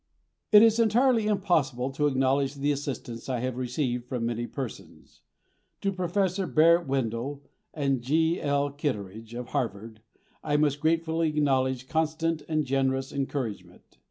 It is entirely impossible to acknowledge the assistance I have received from many persons. To Professors Barrett Wendell and G.L. Kittredge, of Harvard, I must gratefully acknowledge constant and generous encouragement.